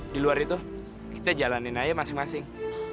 di luar itu kita jalanin aja masing masing